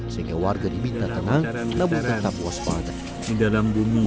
sehingga warga diminta tenang dan tetap waspada